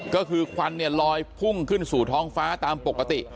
ก็คือควันเนี่ยลอยพุ่งขึ้นสู่ท้องฟ้าตามปกติ